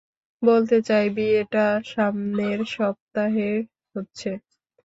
বলতে চাই বিয়েটা সামনের সপ্তাহে হচ্ছে।